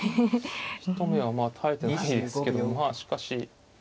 一目はまあ耐えてないですけどまあしかし。